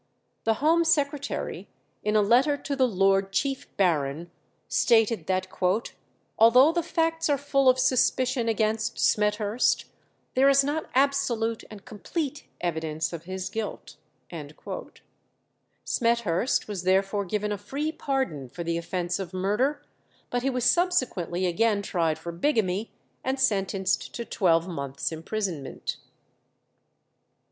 The Home Secretary, in a letter to the Lord Chief Baron, stated that "although the facts are full of suspicion against Smethurst, there is not absolute and complete evidence of his guilt." Smethurst was therefore given a free pardon for the offence of murder, but he was subsequently again tried for bigamy, and sentenced to twelve months' imprisonment.